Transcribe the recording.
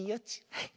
はい。